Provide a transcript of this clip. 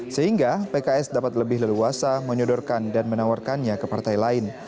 sehingga pks dapat lebih leluasa menyodorkan dan menawarkannya ke partai lain